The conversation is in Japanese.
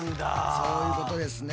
そういうことですね。